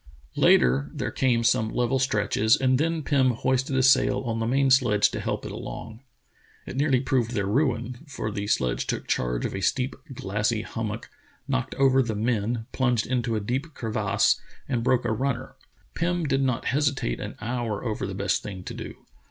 " Later there came some level stretches, and then Pirn hoisted a sail on the man sledge to help it along. It nearly proved their ruin, for the sledge took charge on a steep, glassy hummock, knocked over the men, plunged into a deep crevasse, and broke a runner. Pirn did not hesitate an hour over the best thing to do.